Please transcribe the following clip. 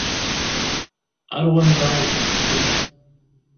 Ar wanda i tent-tefkiḍ?